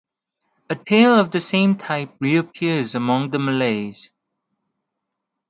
A tale of the same type reappears among the Malays.